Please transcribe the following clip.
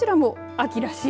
秋らしい。